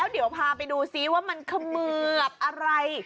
เดี๋ยวพาไปดูซิว่ามันเขมือบอะไร